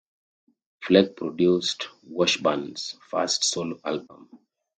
Fleck produced Washburn's first solo album.